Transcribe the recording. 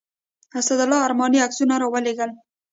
اسدالله ارماني عکسونه راولېږل.